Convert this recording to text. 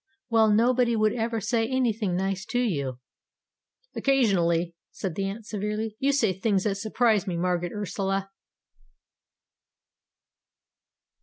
"Well, nobody would ever say anything nice to you." "Occasionally," said the Aunt severely, "you say things that surprise me, Margaret Ursula."